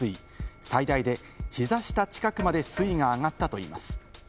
最大で膝下近くまで水位が上がったといいます。